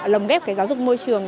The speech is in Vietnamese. lồng ghép cái giáo dục môi trường